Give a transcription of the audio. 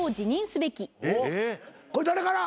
これ誰から？